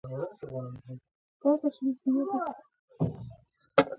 ونه دې پرې کړې ده